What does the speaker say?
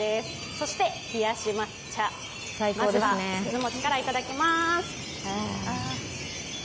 そして冷やし抹茶まずは、くず餅からいただきます。